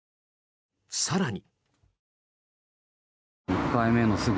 更に。